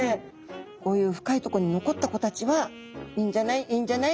こういう深いとこに残った子たちはいいんじゃない？いいんじゃない？